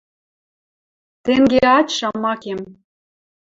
Тенге ач шамакем